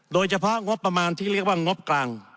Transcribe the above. โดยเฉพาะงบประมาณที่เรียกว่างบกลาง